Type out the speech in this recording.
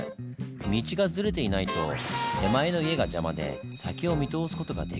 道がズレていないと手前の家が邪魔で先を見通す事ができません。